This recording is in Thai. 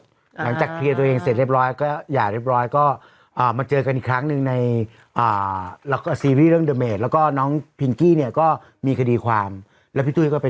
หลังจากเคลียร์ตัวเองเสร็จเรียบร้อย